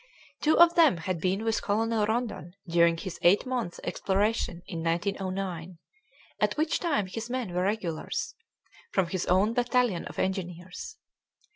Two of them had been with Colonel Rondon during his eight months' exploration in 1909, at which time his men were regulars, from his own battalion of engineers.